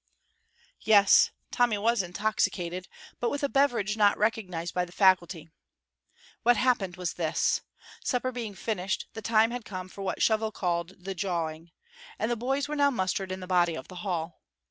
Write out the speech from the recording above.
Yes, Tommy was intoxicated, but with a beverage not recognized by the faculty. What happened was this: Supper being finished, the time had come for what Shovel called the jawing, and the boys were now mustered in the body of the hall.